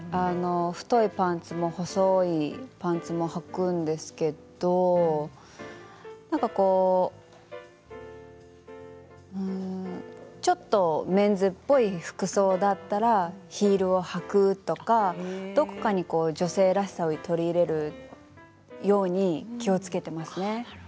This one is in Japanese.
太いパンツも細いパンツもはくんですけど、なんか、こうちょっとメンズっぽい服装だったらヒールを履くとかどこかに女性らしさを取り入れるように気をつけてますね。